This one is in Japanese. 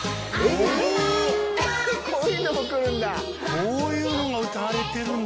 こういうのもくるんだ。